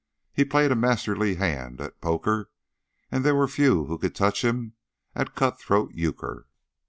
He played a masterly hand at poker, and there were few who could touch him at "cut throat euchre."